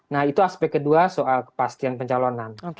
nah itu aspek kedua soal kepastian pencalonan